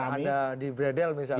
yang ada di bredel misalnya